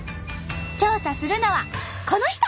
調査するのはこの人！